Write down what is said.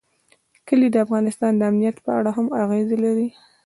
کلي د افغانستان د امنیت په اړه هم اغېز لري.